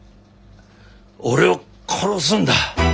俺を殺すんだ。